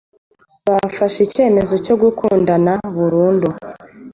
Bafashe icyemezo cyo gukundana burundu,